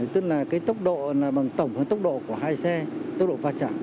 tức là cái tốc độ là bằng tổng tốc độ của hai xe tốc độ va chạm